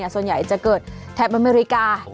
ส่วนใหญ่จะเกิดแถบอเมริกา